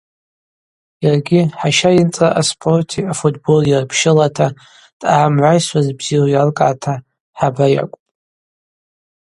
Йаргьи хӏаща йынцӏра аспорти афутболи йырпщылата дъагӏамгӏвайсуа збзиру йалкӏгӏата хӏаба йакӏвпӏ.